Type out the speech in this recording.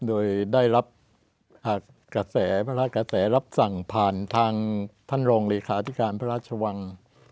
โดยได้รับกระแสพระราชกระแสรับสั่งผ่านทางท่านรองเลขาธิการพระราชวัง